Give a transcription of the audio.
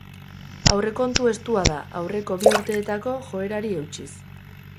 Aurrekontu estua da, aurreko bi urteetako joerari eutsiz.